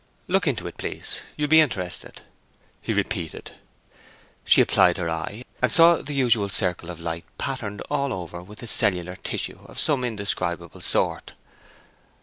"Look into it, please; you'll be interested," he repeated. She applied her eye, and saw the usual circle of light patterned all over with a cellular tissue of some indescribable sort.